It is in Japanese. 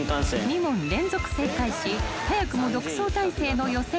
［２問連続正解し早くも独走態勢の予選